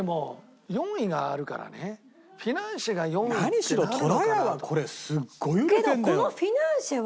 何しろとらやはこれすっごい売れてんだよ。